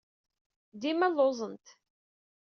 Dima lluẓent.